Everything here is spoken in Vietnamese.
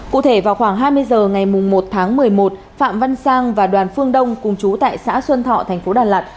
cụ thể vào khoảng hai mươi h ngày một tháng một mươi một phạm văn sang và đoàn phương đông cùng chú tại xã xuân thọ thành phố đà lạt